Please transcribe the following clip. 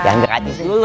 yang gratis dulu